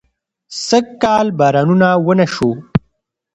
سږکال بارانونه ونه شو